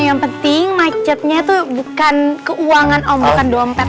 yang penting macetnya itu bukan keuangan om bukan dompet